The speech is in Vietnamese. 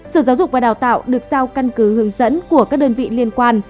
sở giáo dục và đào tạo được giao căn cứ hướng dẫn của các đơn vị liên quan